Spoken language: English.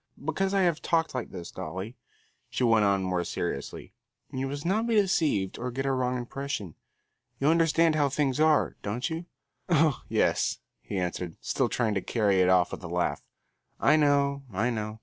Because I have talked like this, Dolly," she went on more seriously, "you must not be deceived or get a wrong impression. You understand how things are, don't you?" "Oh, yes," he answered, still trying to carry it off with a laugh. "I know, I know.